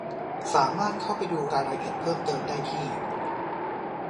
สามารถเข้าไปดูรายละเอียดเพิ่มเติมได้ที่